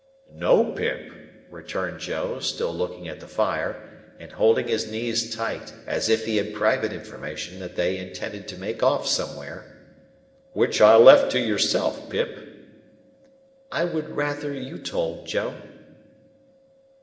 "No, Pip," returned Joe, still looking at the fire, and holding his knees tight, as if he had private information that they intended to make off somewhere, "which I left it to yourself, Pip." "I would rather you told, Joe."